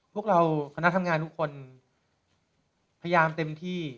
พวกเราคณะทำงานทุกคนพยายามเต็มที่